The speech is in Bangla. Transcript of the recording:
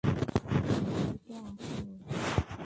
ডায়েটে আছে ও।